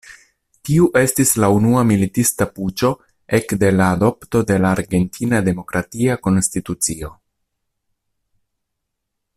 Tiu estis la unua militista puĉo ekde la adopto de la argentina demokratia konstitucio.